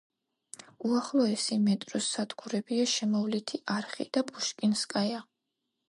უახლოესი მეტროს სადგურებია „შემოვლითი არხი“ და „პუშკინსკაია“.